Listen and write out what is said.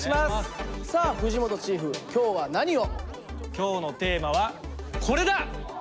今日のテーマはこれだ！